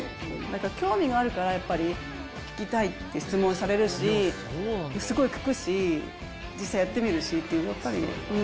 興味があるからやっぱり、聞きたいって質問されるし、すごい聞くし、実際やってみるしっていう、やっぱり。